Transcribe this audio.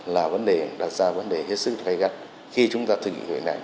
là vấn đề đặt ra vấn đề hết sức gây gắt khi chúng ta thực hiện việc này